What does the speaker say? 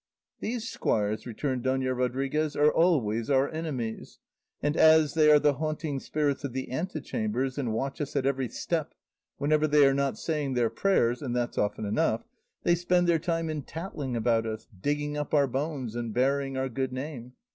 '" "These squires," returned Dona Rodriguez, "are always our enemies; and as they are the haunting spirits of the antechambers and watch us at every step, whenever they are not saying their prayers (and that's often enough) they spend their time in tattling about us, digging up our bones and burying our good name.